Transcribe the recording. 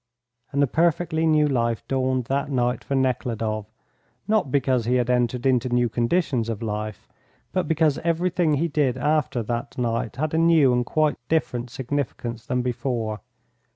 And a perfectly new life dawned that night for Nekhludoff, not because he had entered into new conditions of life, but because everything he did after that night had a new and quite different significance than before.